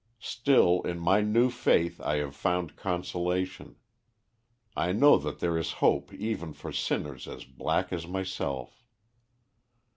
Still, in my new faith I have found consolation. I know that there is hope even for sinners as black as myself.